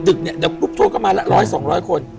เดี๋ยวกรุ๊ปทัวร์ก็มาแล้ว๑๐๐๒๐๐คน